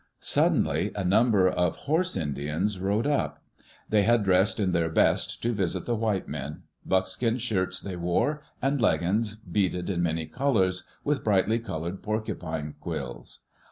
Suddenly a number of "horse Indians'* rode up. They had dressed in their best to visit the white men. Buckskin shirts they wore, and legglns beaded in many colors, with brightly colored porcupine quills.